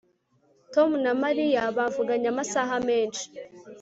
Tom na Mariya bavuganye amasaha menshi